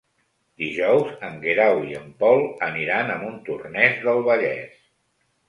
Dijous en Guerau i en Pol aniran a Montornès del Vallès.